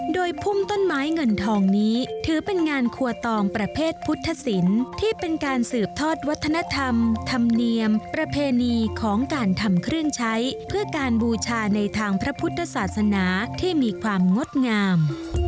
โดยพุ่มต้นไม้เงินทองนี้ถือเป็นงานครัวตองประเภทพุทธศิลป์ที่เป็นการสืบทอดวัฒนธรรมธรรมเนียมประเพณีของการทำเครื่องใช้เพื่อการบูชาในทางพระพุทธศาสนาที่มีความงดงาม